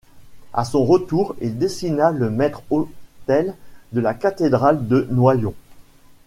À son retour, il dessina le maître-autel de la cathédrale de Noyon.